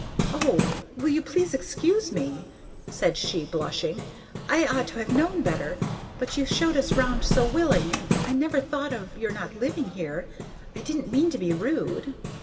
"O, will you please excuse me?" said she, blushing. "I ought to have known better; but you showed us round so willing, and I never thought of your not living here. I didn't mean to be rude."